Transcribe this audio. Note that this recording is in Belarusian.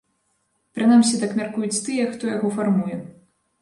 Прынамсі, так мяркуюць тыя, хто яго фармуе.